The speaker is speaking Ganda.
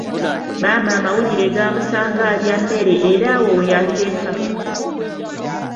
Maama amawulire gaamusanga alya mmere era awo weyabireka.